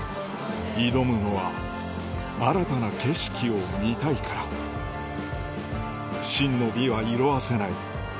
挑むのは新たな景色を見たいから真の美は色あせない